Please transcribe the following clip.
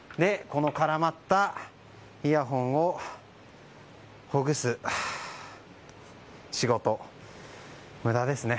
この絡まったイヤホンをほぐす仕事無駄ですね。